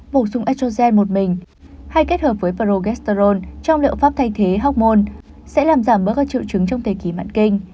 bổ sung estrogen một mình hay kết hợp với phyto estrogen trong liệu pháp thay thế học môn sẽ làm giảm bớt các triệu chứng trong thời kỳ mạn kinh